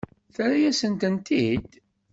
Terra-yasen-tent-id?